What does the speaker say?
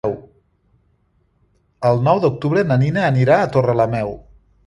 El nou d'octubre na Nina anirà a Torrelameu.